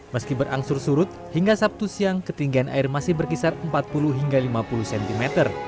meski berangsur surut hingga sabtu siang ketinggian air masih berkisar empat puluh hingga lima puluh cm